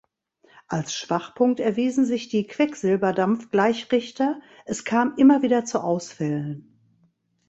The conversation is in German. Als Schwachpunkt erwiesen sich die Quecksilberdampfgleichrichter, es kam immer wieder zu Ausfällen.